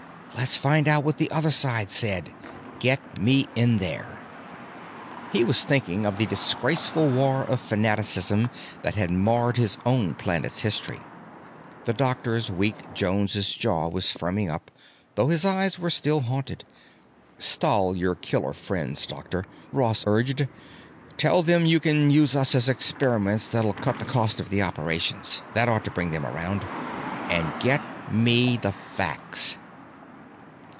Let's find out what the other side said. Get me in there." He was thinking of the disgraceful war of fanaticism that had marred his own planet's history. The doctor's weak Jones jaw was firming up, though his eyes were still haunted. "Stall your killer friends, doctor," Ross urged. "Tell them you can use us for experiments that'll cut the cost of the operations. That ought to bring them around. And get me the facts!"